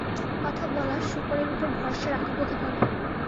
কথা বলা শুকরের উপর ভরসা রাখব কীভাবে?